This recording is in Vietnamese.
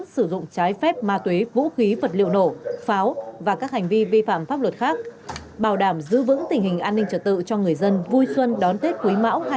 sử dụng trái phép ma túy vũ khí vật liệu nổ pháo và các hành vi vi phạm pháp luật khác bảo đảm giữ vững tình hình an ninh trật tự cho người dân vui xuân đón tết quý mão hai nghìn hai mươi bốn